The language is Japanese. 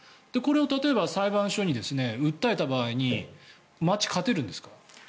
例えばこれを裁判所に訴えた場合に町は勝てるんですか。